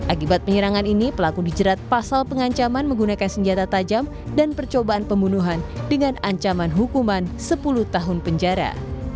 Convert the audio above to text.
akibat penyerangan ini pelaku dijerat pasal pengancaman menggunakan senjata tajam dan percobaan pembunuhan dengan ancaman hukuman sepuluh tahun penjara